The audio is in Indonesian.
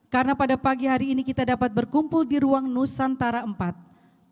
karena pada pagi hari ini kita dapat berkumpul di ruang nusantara empat mpr dpr ri siti nurbaya